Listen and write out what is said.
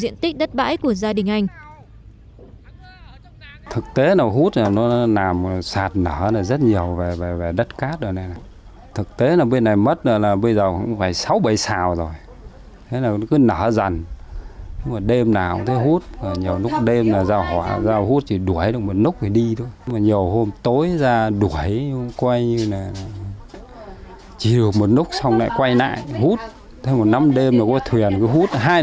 nhiều diện tích đất bãi của gia đình anh